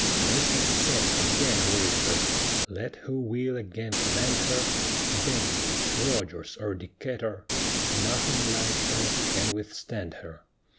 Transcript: May success again await her, Let who will again command her, Bainbridge, Rodgers, or Decatur Nothing like her can withstand her.